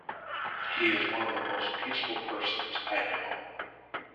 He is one of the most peaceful persons I know.